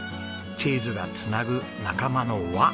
チーズが繋ぐ仲間の輪。